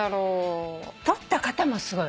撮った方もすごい。